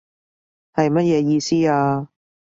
係乜嘢意思啊？